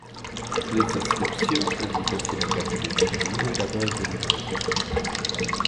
Les inscriptions indiquent ainsi la gare de débarquement et l'adresse de livraison.